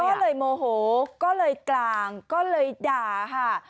ก็เลยโมโหก็เลยกลางก็เลยด่าค่ะ